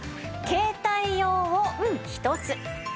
携帯用を１つ。